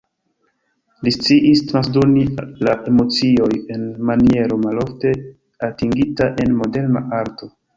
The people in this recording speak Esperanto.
Li sciis transdoni la emocioj en maniero malofte atingita en moderna arto.